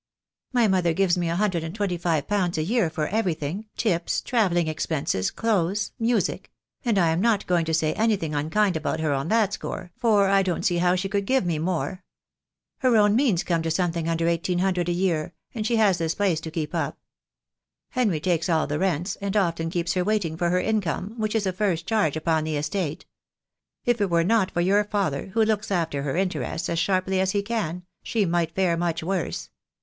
My mother gives me a hundred and twenty five pounds a year for everything, tips, travelling expenses, THE DAY WILL COME. 3 15 clothes, music — and I am not going to say anything un kind about her on that score, for I don't see how she could give me more. Her own means come to something under eighteen hundred a year, and she has this place to keep up. Henry takes all the rents, and often keeps her waiting for her income, which is a first charge upon the estate. If it were not for your father, who looks after her interests as sharply as he can, she might fare much worse.